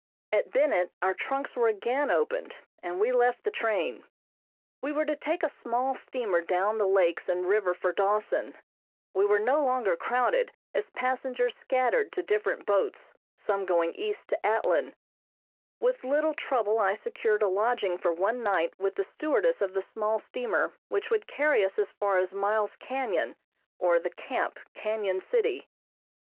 At Bennett our trunks were again opened, and we left the train. We were to take a small steamer down the lakes and river for Dawson. We were no longer crowded, as passengers scattered to different boats, some going east to Atlin. With little trouble I secured a lodging for one night with the stewardess of the small steamer which would carry us as far as Miles Canyon or the Camp, Canyon City.